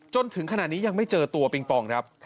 จนถึงขณะนี้ยังไม่เจอตัวปิงปองครับ